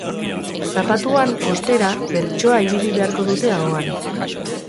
Zapatuan, ostera, bertsoa ibili beharko dute ahoan.